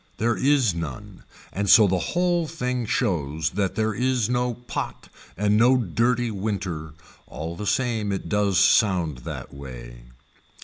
There is none and so the whole thing shows that there is no pot and no dirty winter, all the same it does sound that way.